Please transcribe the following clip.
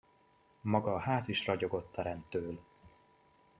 Maga a ház is ragyogott a rendtől.